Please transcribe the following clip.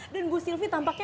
dan bu sylvie tampaknya